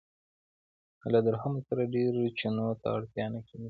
له درهمو سره ډېرو چنو ته اړتیا نه کېږي.